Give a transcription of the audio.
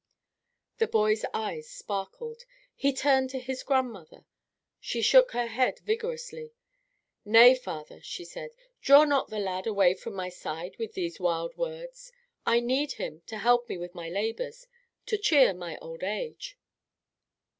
The boy's eyes sparkled. He turned to his grandmother. She shook her head vigorously. "Nay, father," she said, "draw not the lad away from my side with these wild words. I need him to help me with my labours, to cheer my old age."